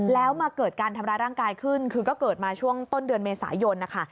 แล้วมาเกิดการทำร้ายร่างกายขึ้นคือก็เกิดมาช่วงต้นเดือนเมษายนนะคะ